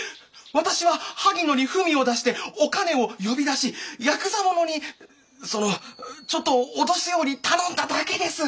私ははぎ野に文を出してお兼を呼び出しやくざ者にそのちょっと脅すように頼んだだけです。